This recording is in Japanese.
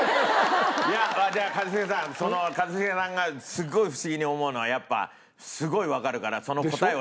いやじゃあ一茂さん一茂さんがすごいフシギに思うのはやっぱすごいわかるからその答えをしましょうか答えを。